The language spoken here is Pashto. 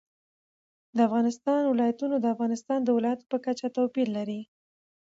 د افغانستان ولايتونه د افغانستان د ولایاتو په کچه توپیر لري.